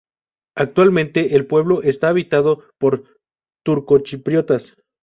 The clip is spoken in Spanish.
Actualmente el pueblo está habitado por turcochipriotas.